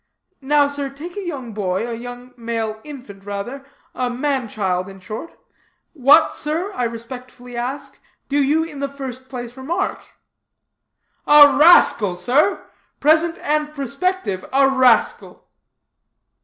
Now, sir, take a young boy, a young male infant rather, a man child in short what sir, I respectfully ask, do you in the first place remark?" "A rascal, sir! present and prospective, a rascal!"